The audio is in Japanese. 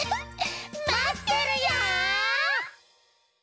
まってるよ！